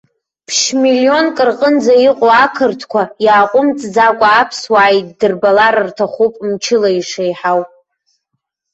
Ԥшьмиллионк рҟынӡа иҟоу ақырҭқәа, иааҟәымҵӡакәа аԥсуаа иддырбалар рҭахуп мчыла ишеиҳау.